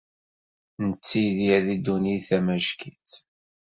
Nettttidir deg ddunit amack-itt.